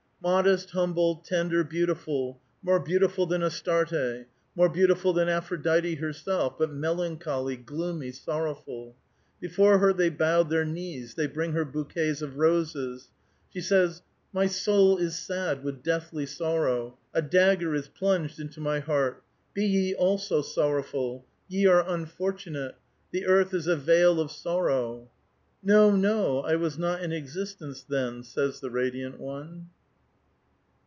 Modest, humble, tender, beautiful, — more beautiful than Astarte ; more beautiful than Aphrodite herself, but melan choly, gloom}', sorrowful. Before her they bowed their knees ; they bring her bouquets of roses. She says :" My soul is sad with deathly soitow. A dagger is plunged into my heart. Be ye also sorrowful. Ye are unfortunate. The earth is a vale of sorrow." '' No, no ! I was not in existence then," says the radiant one.